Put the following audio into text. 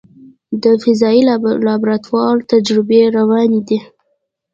د فضایي لابراتوار تجربې روانې دي.